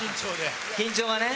緊張がね。